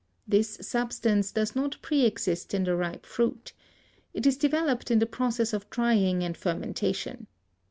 This substance does not pre exist in the ripe fruit. It is developed in the process of drying and fermentation.